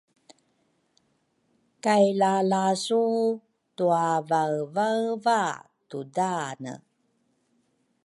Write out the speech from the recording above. kay lalasu twavaevaeva tudaane.